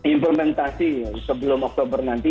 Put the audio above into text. implementasi sebelum oktober nanti